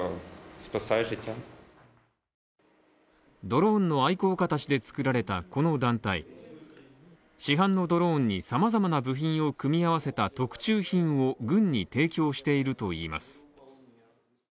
ドローンの愛好家たちで作られたこの団体市販のドローンに様々な部品を組み合わせた特注品を軍に提供しているといいます。